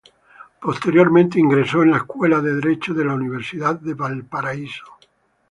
Posteriormente ingresó a la Escuela de Derecho de la Universidad de Valparaíso.